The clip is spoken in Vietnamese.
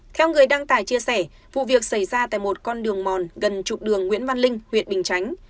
theo người đăng tải chia sẻ vụ việc xảy ra tại một con đường mòn gần chục đường nguyễn văn linh huyện bình chánh